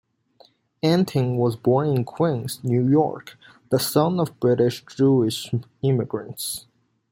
Antin was born in Queens, New York, the son of British Jewish immigrants.